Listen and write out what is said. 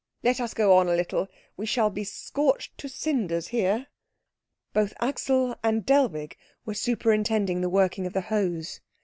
Let us go on a little we shall be scorched to cinders here." Both Axel and Dellwig were superintending the working of the hose.